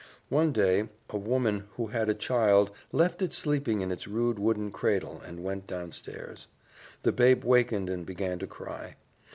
One day a woman who had a child left it sleeping in its rude wooden cradle and went downstairs. The babe wakened and began to cry.